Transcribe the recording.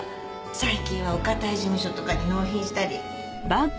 最近はお堅い事務所とかに納品したり。